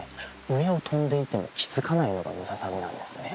上を飛んでいても気づかないのがムササビなんですね